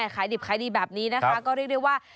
ขายดิบขายดีแบบนี้นะคะก็เรียกได้ว่า